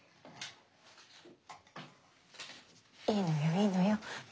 いいのよいいのよ。